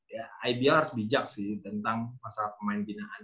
ya ibl harus bijak sih tentang masalah pemain binaan